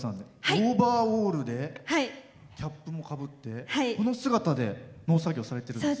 オーバーオールでキャップもかぶってこの姿で農作業されてるんですか。